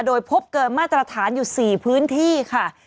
โดยพบเกินมาตรฐานอยู่๔พื้นที่ค่ะ